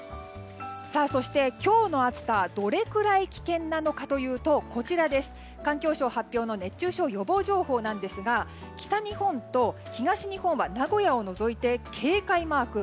そして、今日の暑さどれくらい危険なのかというと環境省発表の熱中症予防情報なんですが北日本と東日本は名古屋を除いて警戒マーク。